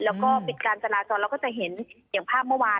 แล้วก็ปิดการจราจรเราก็จะเห็นอย่างภาพเมื่อวาน